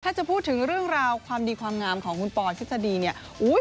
ถ้าจะพูดถึงเรื่องราวความดีความงามของคุณปอนทฤษฎีเนี่ย